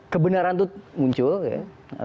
kebenaran tuh muncul ya